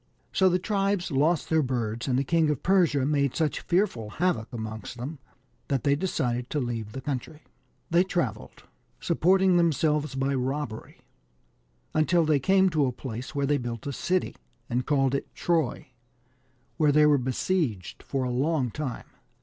So the tribes lost their birds, and the King of Persia made such fearful havoc amongst them that they decided to leave the country. They travelled, supporting themselves by robbery,, until they came to a place where they built a city, and called it Troy, where they were besieged for a long time.